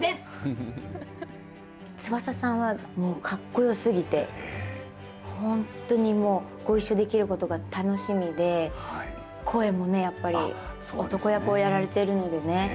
翼さんはかっこよすぎて本当にご一緒できることが楽しみで声もね、やっぱり男役をやられているので。